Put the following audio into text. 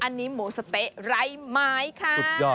อันนี้หมูสะเต๊ะไร้ไม้ค่ะ